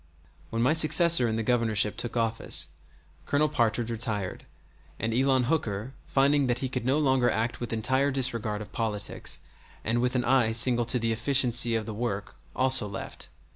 When my successor in the Governorship took office, Colonel Partridge retired, and Elon Hooker, finding that he could no longer act with entire disregard of politics and with an eye single to the efficiency of the work, also left.